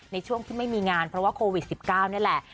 ในช่วงที่ไม่มีงานเพราะว่าโควิด๑๙นี่แหละ